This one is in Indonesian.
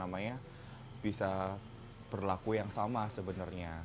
dan bisa berlaku yang sama sebenarnya